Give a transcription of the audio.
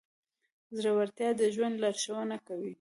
زړهورتیا د ژوند لارښوونه کوي.